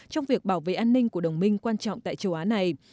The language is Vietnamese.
trong việc bảo vệ an ninh của đồng minh quan trọng tại châu á này